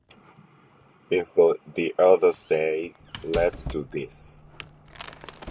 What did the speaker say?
If the others say let's do this ...